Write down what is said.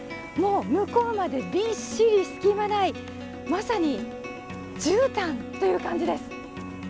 向こうまでびっしり隙間ない、まさにじゅうたんという感じです。